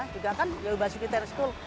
juga kan yayu basuki tennis school